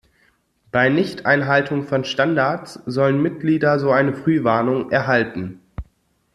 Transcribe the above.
Bei Nichteinhaltung von Standards sollen Mitglieder so eine Frühwarnung erhalten.